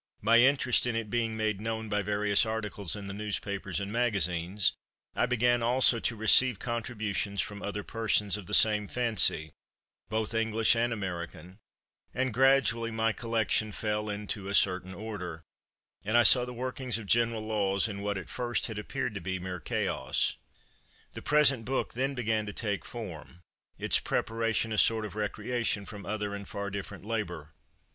My interest in it being made known by various articles in the newspapers and magazines, I began also to receive contributions from other persons of the same fancy, both English and American, and gradually my collection fell into a certain order, and I saw the workings of general laws in what, at first, had appeared to be mere chaos. The present book then began to take form its preparation a sort of recreation from other and far different labor.